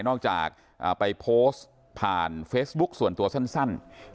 นอกจากไปโพสต์ผ่านเฟซบุ๊คส่วนตัวสั้น